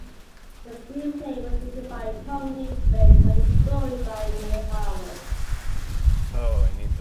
The screenplay was written by Tom Reed based on a story by Mary Howard.